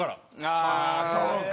ああそうか。